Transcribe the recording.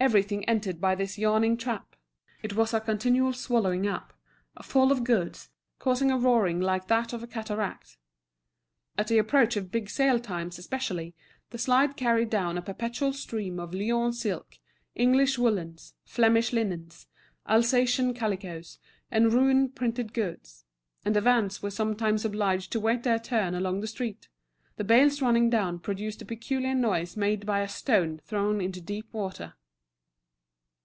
Everything entered by this yawning trap; it was a continual swallowing up, a fall of goods, causing a roaring like that of a cataract. At the approach of big sale times especially, the slide carried down a perpetual stream of Lyons silks, English woollens, Flemish linens, Alsatian calicoes, and Rouen printed goods; and the vans were sometimes obliged to wait their turn along the street; the bales running down produced the peculiar noise made by a stone thrown into deep water.